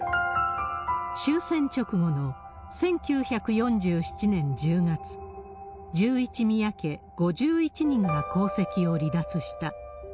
終戦直後の１９４７年１０月、１１宮家５１人が皇籍を離脱した。